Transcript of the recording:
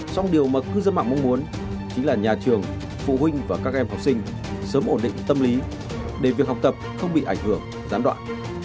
trong điều mà cư dân mạng mong muốn chính là nhà trường phụ huynh và các em học sinh sớm ổn định tâm lý để việc học tập không bị ảnh hưởng gián đoạn